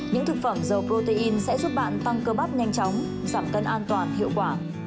những thực phẩm dầu protein sẽ giúp bạn tăng cơ bắp nhanh chóng giảm cân an toàn hiệu quả